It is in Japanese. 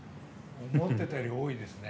思ってたより多いですね。